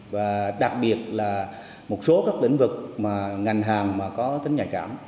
và đặc biệt là một số các lĩnh vực mà ngành hàng có tính nhạy cảm